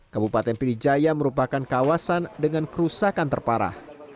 kabupaten pidijaya merupakan kawasan dengan kerusakan terparah